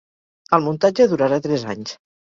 El muntatge durarà tres anys.